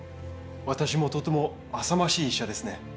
私もとてもあさましい医者ですね。